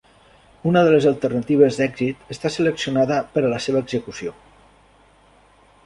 Una de les alternatives d'èxit està seleccionada per a la seva execució.